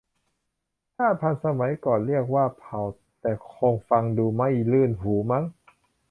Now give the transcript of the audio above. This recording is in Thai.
ชาติพันธุ์ สมัยก่อนเรียกว่าเผ่า แต่คงฟังดูไม่รื่นหูมั้ง